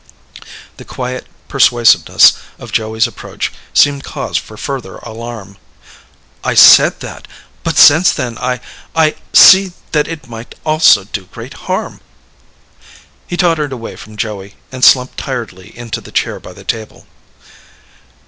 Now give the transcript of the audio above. The quiet persuasiveness of Joey's approach seemed cause for further alarm. "I said that, but since then ... I ... I see that it might also do great harm." He tottered away from Joey and slumped tiredly into the chair by the table.